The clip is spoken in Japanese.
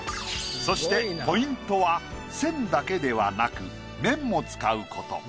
そしてポイントは線だけではなく面も使うこと。